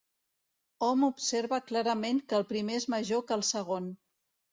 Hom observa clarament que el primer és major que el segon.